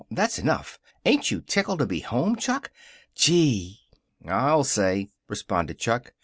That's enough. Ain't you tickled to be home, Chuck? Gee!" "I'll say," responded Chuck.